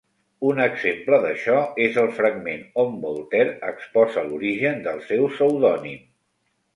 Un exemple d'això és el fragment on Voltaire exposa l'origen del seu pseudònim.